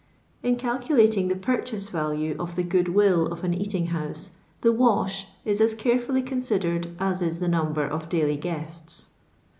In calculating the purchase value of the good will of an eating house, the " wash " is as carefully considered as is the number of daily guests.